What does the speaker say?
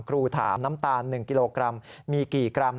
ครูถามน้ำตาล๑กิโลกรัมมีกี่กรัม